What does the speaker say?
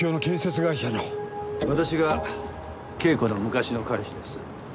私が啓子の昔の彼氏です。